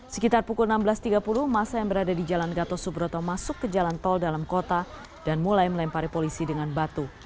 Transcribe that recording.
sekitar pukul enam belas tiga puluh masa yang berada di jalan gatot subroto masuk ke jalan tol dalam kota dan mulai melempari polisi dengan batu